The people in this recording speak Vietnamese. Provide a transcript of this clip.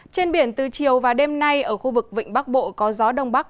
trên biển từ chiều và đêm nay ở khu vực vịnh bắc bộ có gió đông bắc